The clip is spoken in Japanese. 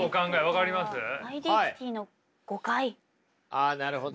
あなるほど。